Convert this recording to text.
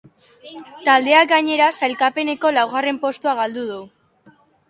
Taldeak, gainera, sailkapeneko laugarren postua galdu du.